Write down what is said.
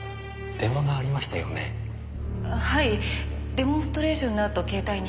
デモンストレーションのあと携帯に。